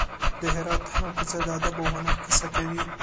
د هرات هره کوڅه د ادب او هنر کیسه کوي.